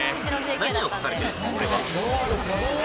何を書かれているんですか？